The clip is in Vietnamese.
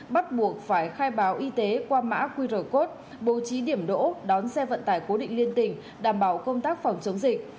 bắt buộc phải khai báo y tế qua mã qr code bố trí điểm đỗ đón xe vận tải cố định liên tỉnh đảm bảo công tác phòng chống dịch